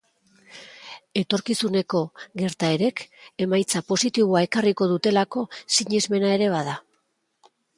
Etorkizuneko gertaerek emaitza positiboa ekarriko dutelako sinesmena ere bada.